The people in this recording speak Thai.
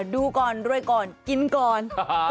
ดูก่อนรวยก่อนกินก่อน